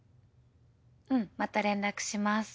うんまた連絡します。